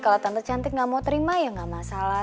kalau tante cantik gak mau terima ya nggak masalah